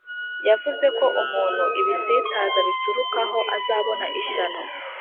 Yavuze ko umuntu ibisitaza biturukaho azabona ishyano